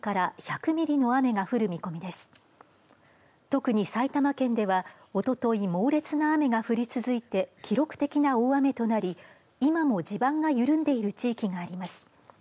特に埼玉県ではおととい、猛烈な雨が降り続いて記録的な大雨となり今も地盤が緩んでいる地域があります。